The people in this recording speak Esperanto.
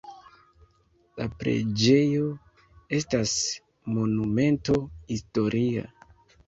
La preĝejo estas Monumento historia.